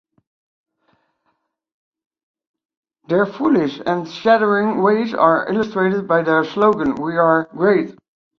Their foolish and chattering ways are illustrated by their slogan: We are great.